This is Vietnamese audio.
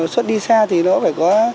xuất đi xa thì nó phải có